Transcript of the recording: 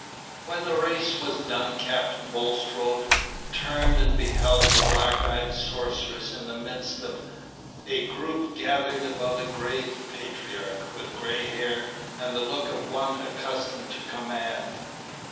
When the race was done Captain Bulstrode turned and beheld the black eyed sorceress in the midst of a group gathered about a grave patriarch, with gray hair, and the look of one accustomed to command.